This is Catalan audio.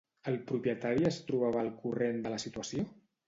El propietari es trobava al corrent de la situació?